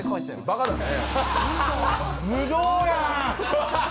バカだね。